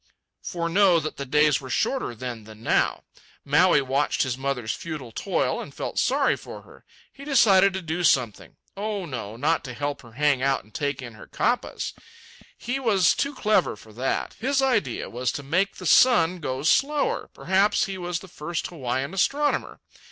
For know that the days were shorter then than now. Maui watched his mother's futile toil and felt sorry for her. He decided to do something—oh, no, not to help her hang out and take in the kapas. He was too clever for that. His idea was to make the sun go slower. Perhaps he was the first Hawaiian astronomer.